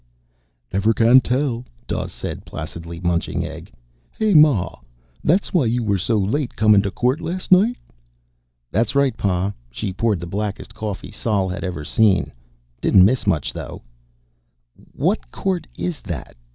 "Never can tell," Dawes said placidly, munching egg. "Hey, Ma. That why you were so late comin' to court last night?" "That's right, Pa." She poured the blackest coffee Sol had ever seen. "Didn't miss much, though." "What court is that?"